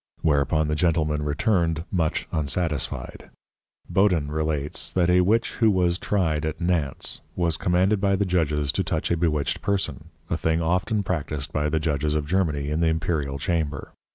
Whereupon the Gentlemen returned much unsatisfied. Bodin relates, that a Witch who was Tryed at Nants, was commanded by the Judges to touch a Bewitched person, a thing often practised by the Judges of Germany in the Imperial Chamber.